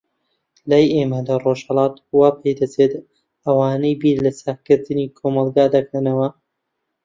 لای ئێمە لە ڕۆژهەلات، وا پێدەچێت ئەوانەی بیر لە چاکردنی کۆمەلگا دەکەنەوە.